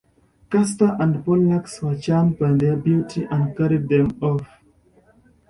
Castor and Pollux were charmed by their beauty and carried them off.